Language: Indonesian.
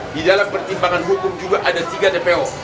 di dalam pertimbangan hukum juga ada tiga dpo